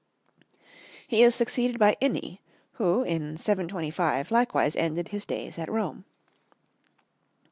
He is succeeded by Ini, who in 725 likewise ended his days at Rome.